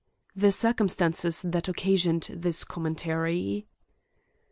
llie Circmtistances that occasioned this Commentary.